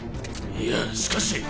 いやしかし。